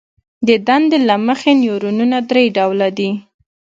د دندې له مخې نیورونونه درې ډوله دي.